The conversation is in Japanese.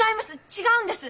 違うんです！